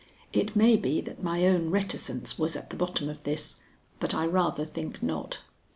It may be that my own reticence was at the bottom of this, but I rather think not.